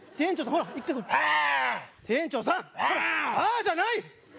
「あ！」じゃない！